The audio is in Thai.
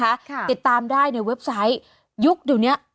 ค่ะติดตามได้ในเว็บไซต์ยุคเดี๋ยวเนี้ย